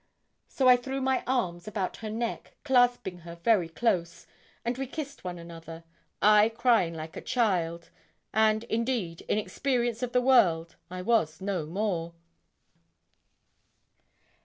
So I threw my arms about her neck, clasping her very close, and we kissed one another, I crying like a frightened child and indeed in experience of the world I was no more.